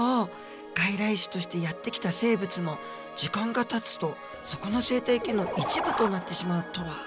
外来種としてやって来た生物も時間がたつとそこの生態系の一部となってしまうとは。